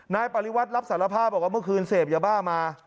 นายปริวัติรับสารภาพบอกว่าเมื่อคืนเสพยาบ้ามา